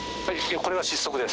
これが失速です。